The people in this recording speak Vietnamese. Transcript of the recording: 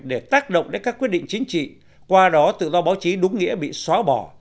để tác động đến các quyết định chính trị qua đó tự do báo chí đúng nghĩa bị xóa bỏ